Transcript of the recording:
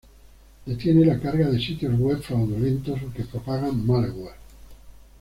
Detiene la carga de sitios web fraudulentos o que propagan malware.